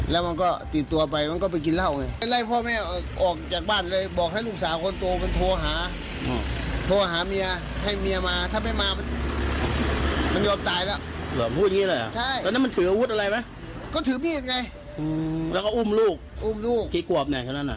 แล้วก็อุ้มลูกอุ้มลูกที่กวบไหนเค้านั่น